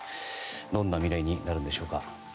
どんな未来になるんでしょうか。